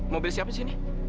mobil siapa sih ini